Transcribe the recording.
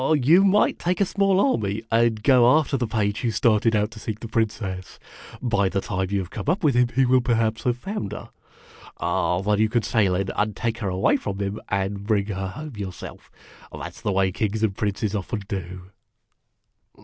" You might take a small army and go after the page who started out to seek the Princess. By the time you have come up with him, he will perhaps have found her. Then you can sail in and take her away from him, and bring her home yourself. That 's the way kings and princes often do."